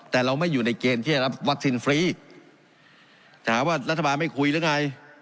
แต่เราไม่อยู่ในเกณฑ์ที่จะรับวัคซีนฟรีถามว่ารัฐบาลไม่คุยหรือไง